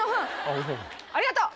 ありがとう。